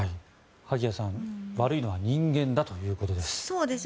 萩谷さん悪いのは人間だということです。